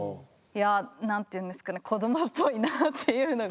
いや何ていうんですかね子どもっぽいなっていうのが第一印象。